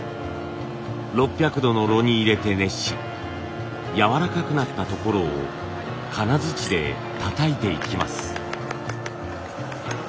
６００度の炉に入れて熱しやわらかくなったところを金づちでたたいていきます。